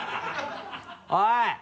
おい！